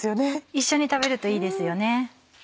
一緒に食べるといいですよね。